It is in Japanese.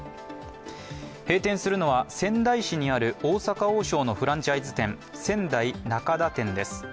閉店するのは仙台市にある大阪王将のフランチャイズ店、仙台中田店です。